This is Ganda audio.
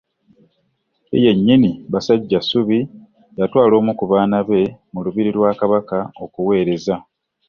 Ye yennyini Basajjassubi yatwala omu ku baana be mu lubiri lwa Kabaka okuwereeza.